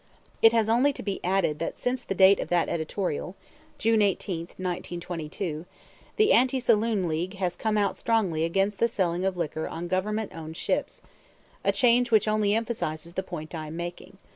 It has only to be added that since the date of that editorial (June 18, 1922) the Anti Saloon League has come out strongly against the selling of liquor on Governmentowned ships a change which only emphasizes the point I am making.